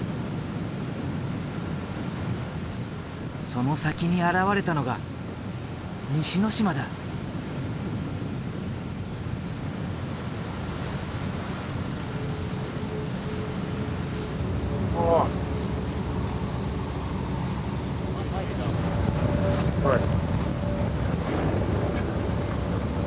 その先に現れたのがおっ。